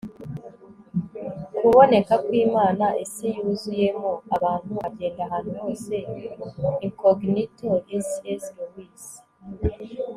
kuboneka kw'imana isi yuzuyemo abantu agenda ahantu hose incognito - c s lewis